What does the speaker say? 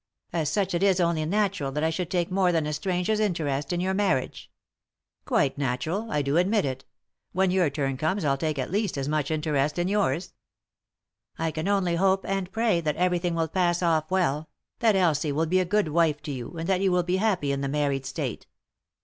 " As such it is only natural that I should take more than a stranger's interest in your marriage." " Quite natural ; I do admit it. When your turn comes I'll take at least as much interest in yours." 291 3i 9 iii^d by Google THE INTERRUPTED KISS "I ctn only hope and pray that everything will pass off well ; that Elsie will be a good wife to yon, and that yon will be happy in the married state."